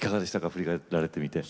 振り返られてみて。